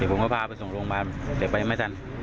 ผมก็พาไปส่งโรงพยาบาลแต่ไปไม่ทัน